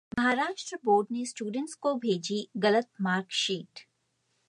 Maharashtra board ने students को भेजी गलत मार्कशीट